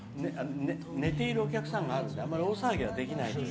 寝ているお客さんがいるのであまり大騒ぎはできない。